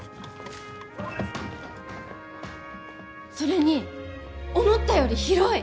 それに思ったより広い！